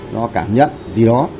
do cảm nhận gì đó